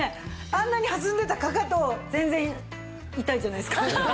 あんなに弾んでたかかと全然痛いじゃないですか。